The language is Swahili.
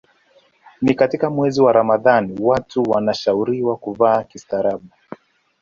Na katika mwezi wa Ramadhani watu wanashauriwa kuvaa kistaarabu